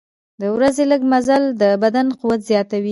د ورځې لږ مزل د بدن قوت زیاتوي.